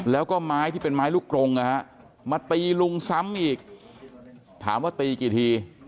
แล้วก็ไม้ที่เป็นไม้ลูกกรงนะฮะมาตีลุงซ้ำอีกถามว่าตีกี่ที